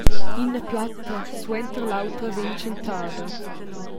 Ina platta suenter l’autra vegn tschentada.